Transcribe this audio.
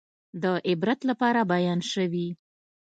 د عبرت لپاره بیان شوي.